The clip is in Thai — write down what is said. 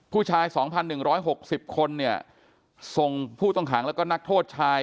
ผู้ชาย๒๑๖๐คนเนี่ยส่งผู้ต้องขังแล้วก็นักโทษชาย